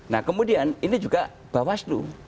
nah kemudian ini juga bawaslu